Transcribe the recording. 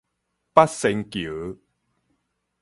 八仙橋